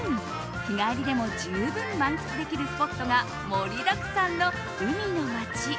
日帰りでも十分満喫できるスポットが盛りだくさんの海の街。